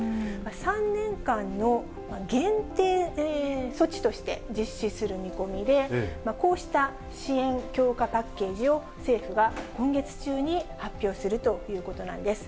３年間の限定措置として実施する見込みで、こうした支援強化パッケージを政府が今月中に発表するということなんです。